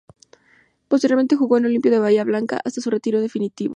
Posteriormente jugó en Olimpo de Bahía Blanca, hasta su retiro definitivo.